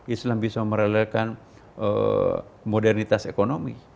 islam bisa merelakan modernitas ekonomi